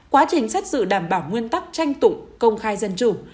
quá trình xét xử đảm bảo nguyên tắc tranh tụng công khai dân chủ